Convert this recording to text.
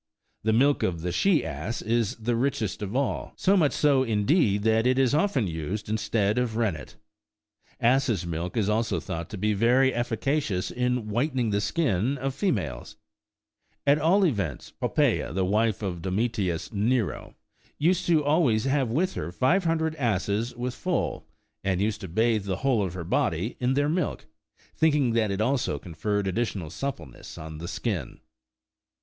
The milk of the she ass is the richest of all, so much so, indeed, that it is often used instead of rennet. Asses' milk is also thought to be very efficacious in whitening the skin of females : at all events, Popptea,23 the wife of Domitius Nero, used always to have with her five hundred asses with foal, and used to bathe the whole of her body in their milk, thinking that it alsp con ferred additional suppleness on the skin.